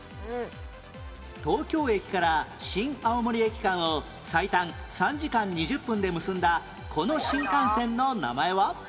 東京駅から新青森駅間を最短３時間２０分で結んだこの新幹線の名前は？